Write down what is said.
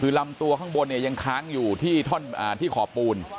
คือลำตัวข้างบนเนี่ยยังค้างอยู่ที่ขอบปูน